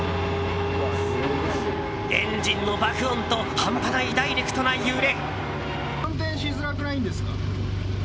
エンジンの爆音と半端ないダイレクトな揺れ。